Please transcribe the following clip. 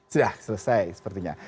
sudah selesai sepertinya